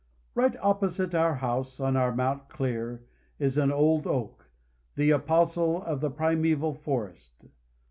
Right opposite our house, on our Mount Clear, is an old oak, the apostle of the primeval forest.